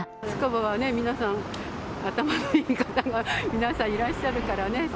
筑波は皆さん、頭のいい方が皆さん、いらっしゃるからね。